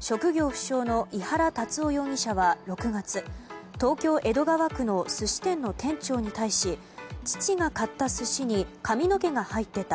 職業不詳の井原龍夫容疑者は６月東京・江戸川区の寿司店の店長に対し父が買った寿司に髪の毛が入ってた。